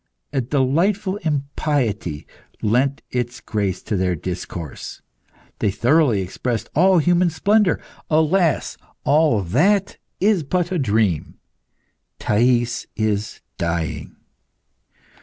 A delightful impiety lent its grace to their discourse. They thoroughly expressed all human splendour. Alas! all that is but a dream. Thais is dying!